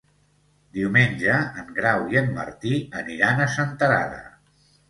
Diumenge en Grau i en Martí aniran a Senterada.